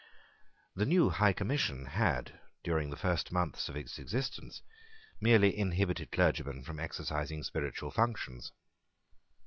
The new High Commission had, during the first months of its existence, merely inhibited clergymen from exercising spiritual functions.